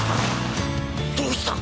どうした？